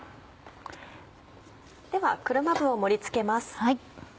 では車麩を盛り付けます。